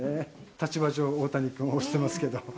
立場上、大谷君を推してますけど。